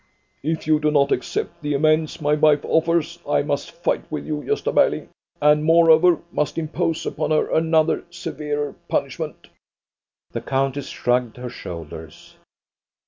" If you do not accept the amends my wife offers, I must fight with you, Gosta Berling, and moreover must impose upon her another, severer, punishment." The countess shrugged her shoulders.